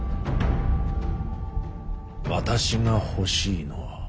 私が欲しいのは。